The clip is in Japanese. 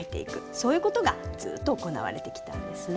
そういう事がずっと行われてきたんですね。